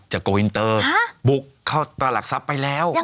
โกวินเตอร์บุกเข้าตลาดหลักทรัพย์ไปแล้ว